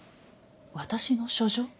私の書状？